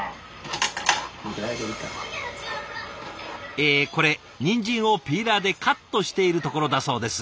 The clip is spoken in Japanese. えこれにんじんをピーラーでカットしているところだそうです。